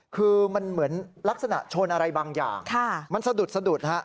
คือมันเหมือนลักษณะชนอะไรบางอย่างมันสะดุดสะดุดฮะ